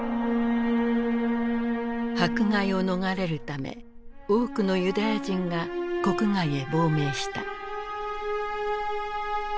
迫害を逃れるため多くのユダヤ人が国外へ亡命した。